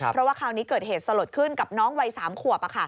เพราะว่าคราวนี้เกิดเหตุสลดขึ้นกับน้องวัย๓ขวบ